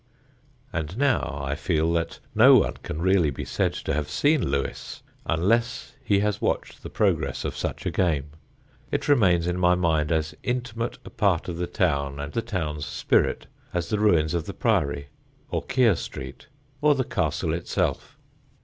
And now I feel that no one can really be said to have seen Lewes unless he has watched the progress of such a game: it remains in my mind as intimate a part of the town and the town's spirit as the ruins of the Priory, or Keere Street, or the Castle itself.